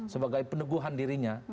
sebagai peneguhan dirinya